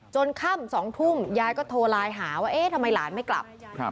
ค่ำ๒ทุ่มยายก็โทรไลน์หาว่าเอ๊ะทำไมหลานไม่กลับ